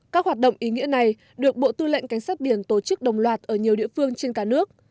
các hoạt động ý nghĩa này được bộ tư lệnh cảnh sát biển tổ chức đồng loạt ở nhiều địa phương trên cả nước